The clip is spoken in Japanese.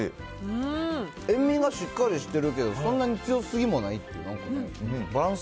塩味がしっかりしてるけど、そんなに強すぎもないっていうね。